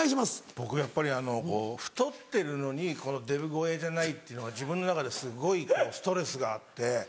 僕やっぱり太ってるのにデブ声じゃないっていうのが自分の中ですごいストレスがあって。